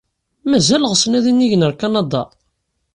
Mazal ɣsen ad inigen ɣer Kanada?